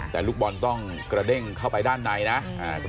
แต่ลูกบอลต้องกระเด้งเข้าไปด้านในนะ